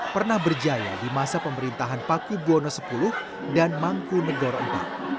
pernah berjaya di masa pemerintahan paku buwono x dan mangku negoro iv